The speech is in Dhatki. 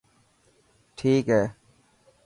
ٺيڪ هي.